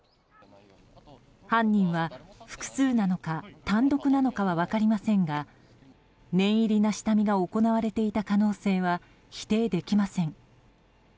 犯人は複数なのか単独なのかは分かりませんが念入りな下見が行われていた可能性は否定できません。